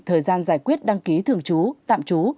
thời gian giải quyết đăng ký thường chú tạm chú